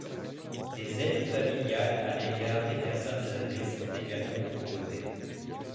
Des aides familiales à l'égard des personnes âgées sont également proposés.